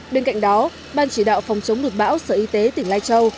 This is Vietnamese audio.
bên cạnh đó ban chỉ đạo phòng chống lụt bão sở y tế tỉnh lai châu